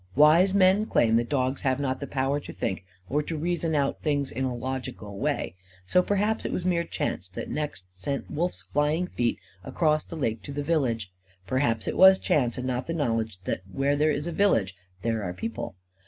Wise men claim that dogs have not the power to think or to reason things out in a logical way. So perhaps it was mere chance that next sent Wolf's flying feet across the lake to the village. Perhaps it was chance, and not the knowledge that where there is a village there are people.